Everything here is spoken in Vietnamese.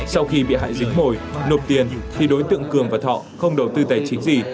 sau khi bị hại dính mồi nộp tiền thì đối tượng cường và thọ không đầu tư tài chính gì